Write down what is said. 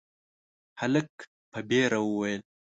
هلک په وېره وويل: